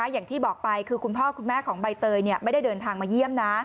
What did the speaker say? อย่างที่บอกไปคือคุณพ่อคุณแม่ของใบเตยไม่ได้เดินทางมาเยี่ยมนะ